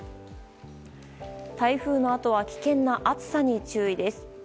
台風のあとは危険な暑さに注意です。